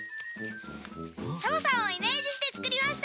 サボさんをイメージしてつくりました。